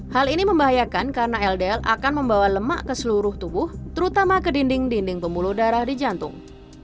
hal ini membahayakan karena ldl akan membawa lemak ke seluruh tubuh terutama ke dinding dinding pembuluh darah di jantung